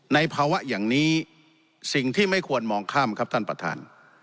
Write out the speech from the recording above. ในภาวะอย่างนี้สิ่งที่ไม่ควรมองข้ามครับท่านประธาน